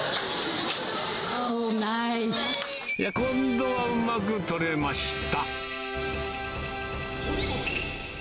今度はうまく取れました。